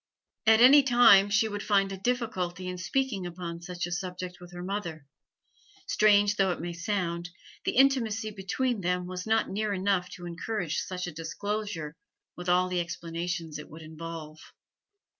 At any time she would find a difficulty in speaking upon such a subject with her mother; strange though it may sound, the intimacy between them was not near enough to encourage such a disclosure, with all the explanations it would involve.